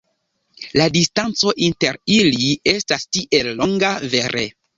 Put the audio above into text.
La distanco inter ili estas tiel longa, vere.